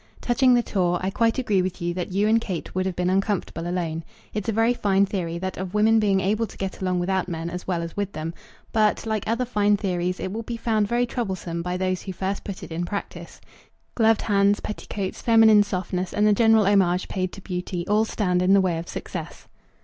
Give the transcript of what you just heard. Touching the tour, I quite agree with you that you and Kate would have been uncomfortable alone. It's a very fine theory, that of women being able to get along without men as well as with them; but, like other fine theories, it will be found very troublesome by those who first put it in practice. Gloved hands, petticoats, feminine softness, and the general homage paid to beauty, all stand in the way of success.